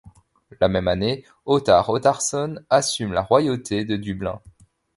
La même année Ottar Ottarsson assume la royauté de Dublin.